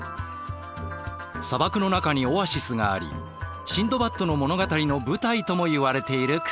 砂漠の中にオアシスがありシンドバッドの物語の舞台ともいわれている国。